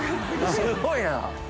すごいな。